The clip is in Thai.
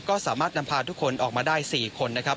ก็สามารถนำพาทุกคนออกมาได้๔คนนะครับ